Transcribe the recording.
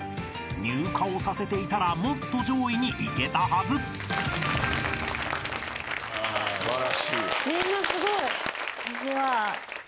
［乳化をさせていたらもっと上位にいけたはず］素晴らしい。